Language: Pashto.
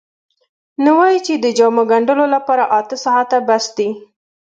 نو وایي چې د جامو ګنډلو لپاره اته ساعته بس دي.